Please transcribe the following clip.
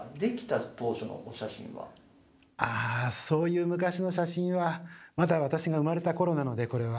あそういう昔の写真はまだ私が生まれた頃なのでこれは。